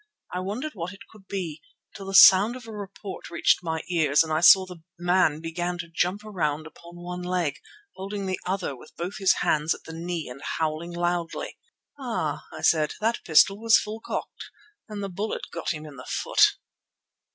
I wondered what it could be, till the sound of a report reached my ears and I saw the man begin to jump round upon one leg, holding the other with both his hands at the knee and howling loudly. "Ah!" I said, "that pistol was full cocked, and the bullet got him in the foot."